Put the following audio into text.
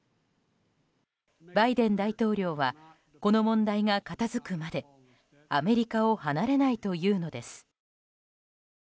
バイデン大統領はこの問題が片付くまでアメリカを離れないというのです。